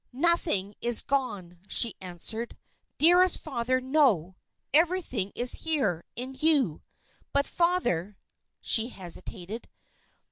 "Nothing is gone," she answered. "Dearest Father, no! Everything is here in you. But, Father " She hesitated.